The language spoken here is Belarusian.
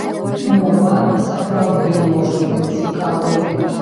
Мова сапраўды можа быць цікавай.